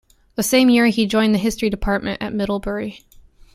The same year he joined the history department at Middlebury.